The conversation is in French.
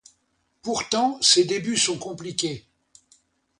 Pourtant, ses débuts sont compliqués.